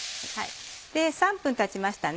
３分たちましたね。